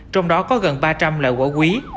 trong đó có gần ba trăm linh loại gỗ quý